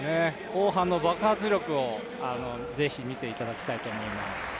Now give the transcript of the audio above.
後半の爆発力を是非見ていただきたいと思います。